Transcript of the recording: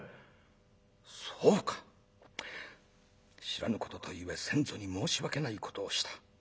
知らぬこととゆえ先祖に申し訳ないことをした。